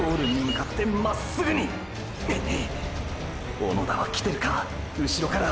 小野田はきてるか⁉うしろから！！